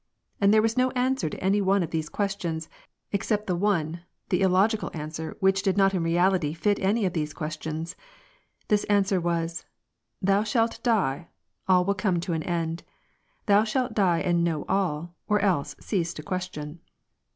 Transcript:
And there was no answer to any one of the questions, except the one, the illogical answer which did not in reality lit any of these questions. This answer was :" Thou shalt die — all will come to an end ! Thou shalt die and know all, or else cease to question."